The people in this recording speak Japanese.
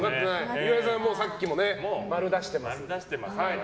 岩井さんはさっきも○出してます。